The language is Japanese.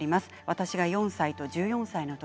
私が４歳と１４歳の時。